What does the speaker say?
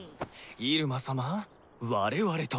入間様我々と。